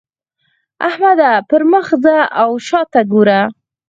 احمده! پر مخ ځه او شا ته ګوره.